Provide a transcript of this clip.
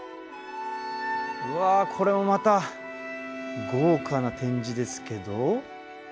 うわこれもまた豪華な展示ですけど。